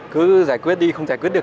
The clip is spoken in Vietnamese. chắc không làm sao hết